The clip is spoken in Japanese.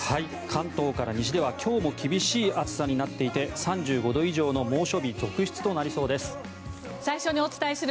関東から西では今日も厳しい暑さになっていて３５度以上の猛暑日続出となりそうです。